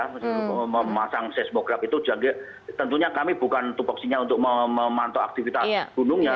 memasang seismograf itu tentunya kami bukan tupoksinya untuk memantau aktivitas gunungnya